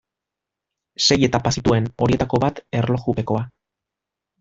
Sei etapa zituen, horietako bat erlojupekoa.